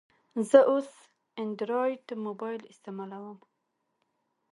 زه اوس انډرایډ موبایل استعمالوم.